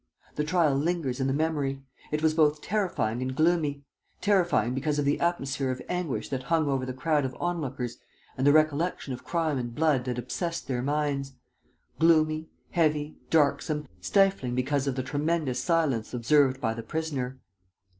The trial lingers in the memory. It was both terrifying and gloomy: terrifying because of the atmosphere of anguish that hung over the crowd of onlookers and the recollection of crime and blood that obsessed their minds: gloomy, heavy, darksome, stifling because of the tremendous silence observed by the prisoner.